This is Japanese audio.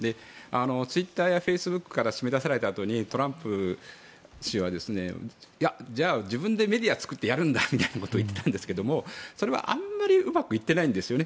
ツイッターやフェイスブックから締め出されたあとにトランプ氏はじゃあ自分でメディアを作ってやるんだみたいなことを言っていたんですがそれはあんまりうまくいってないんですよね。